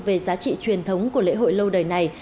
về giá trị truyền thống của lễ hội lâu đời này